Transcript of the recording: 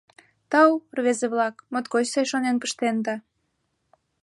— Тау, рвезе-влак, моткоч сай шонен пыштенда.